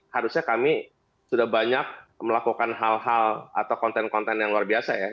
harusnya kami sudah banyak melakukan hal hal atau konten konten yang luar biasa ya